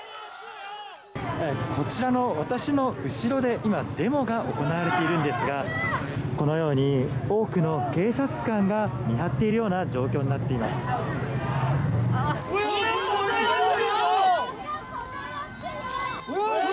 こちらの私の後ろで今、デモが行われているんですがこのように多くの警察官が見張っているような状況になっています。